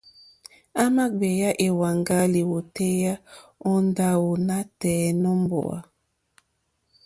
À mà gbèyá èwàŋgá lìwòtéyá ó ndáwò nǎtɛ̀ɛ̀ nǒ mbówà.